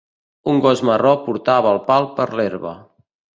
El gos marró portava el pal per l'herba.